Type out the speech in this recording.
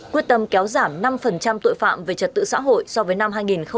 quyết tâm kéo giảm năm tội phạm về trật tự xã hội so với năm hai nghìn một mươi chín